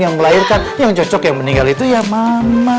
yang melahirkan yang cocok yang meninggal itu ya mama